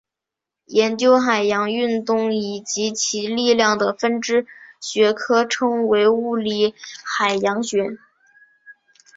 研究海洋运动以及其力量的分支学科称为物理海洋学。